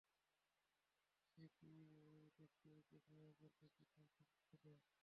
সে কি দেখতে উগ্র স্বভাবের নাকি সহজ-সরল ছিলো?